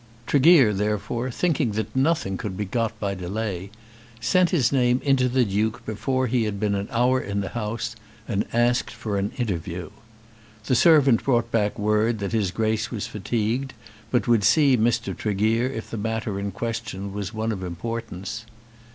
Tregear, therefore, thinking that nothing could be got by delay, sent his name in to the Duke before he had been an hour in the house, and asked for an interview. The servant brought back word that his Grace was fatigued, but would see Mr. Tregear if the matter in question was one of importance.